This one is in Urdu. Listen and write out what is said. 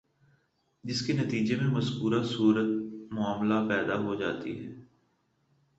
جس کے نتیجے میں مذکورہ صورتِ معاملہ پیدا ہو جاتی ہے